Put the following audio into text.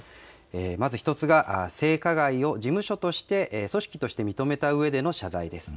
まず１つが性加害を事務所として、組織として認めたうえでの謝罪です。